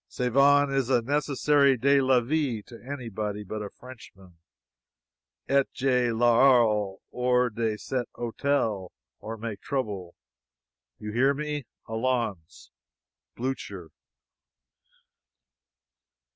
Savon is a necessary de la vie to any body but a Frenchman, et je l'aurai hors de cet hotel or make trouble. You hear me. Allons. BLUCHER.